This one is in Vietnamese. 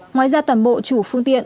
ngoài ra toàn bộ chủ phương tiện